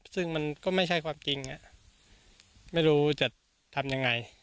ซึ่งมันก็ไม่ใช่ความจริงไม่รู้จะทำยังไง